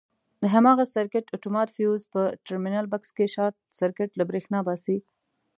د هماغه سرکټ اتومات فیوز په ټرمینل بکس کې شارټ سرکټ له برېښنا باسي.